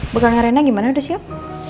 begang arena gimana udah siap